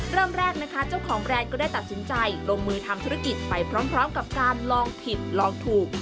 เริ่มแรกนะคะเจ้าของแบรนด์ก็ได้ตัดสินใจลงมือทำธุรกิจไปพร้อมกับการลองผิดลองถูก